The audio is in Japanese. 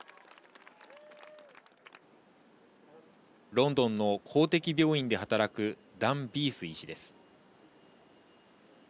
ロンドンの公的病院で働くダン・ビース医師です。